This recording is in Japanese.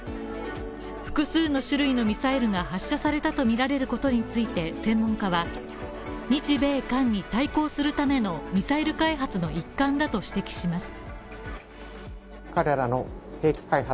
複数の種類のミサイルが発射されたとみられることについて専門家は日米韓に対抗するためのミサイル開発の一環だと指摘します。